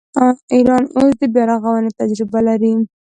ایران اوس د بیارغونې تجربه لري.